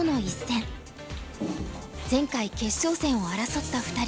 前回決勝戦を争った２人。